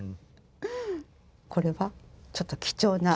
これはちょっと貴重な。